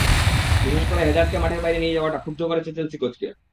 বিশেষ করে হ্যাজার্ডকে মাঠের বাইরে নিয়ে যাওয়াটা ক্ষুব্ধ করেছে চেলসি কোচকে।